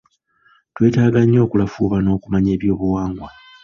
Twetaaga nnyo okulafuubana okumanya eby'obuwangwa.